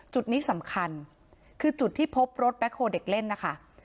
จุดนี้สำคัญคือจุดที่พบรถแคลเด็กเล่นนะคะ